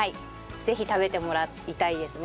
ぜひ食べてもらいたいですね。